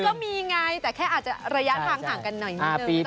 ก็มีไงแต่แค่อาจจะระยะทางห่างกันหน่อยนิดนึง